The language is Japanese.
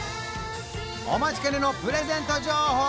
お待ちかねのプレゼント情報